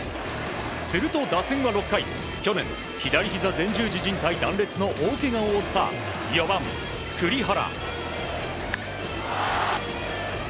すると打線は６回去年、左ひざ前十字じん帯断裂の大けがを負った４番、栗原。